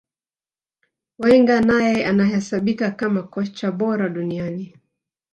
Wenger naye anahesabika kama kocha bora duniani